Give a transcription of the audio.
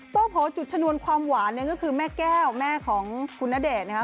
โผจุดชนวนความหวานเนี่ยก็คือแม่แก้วแม่ของคุณณเดชน์นะคะ